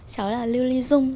cháu là lưu ly dung